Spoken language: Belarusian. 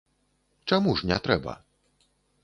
Чаму ж не трэба?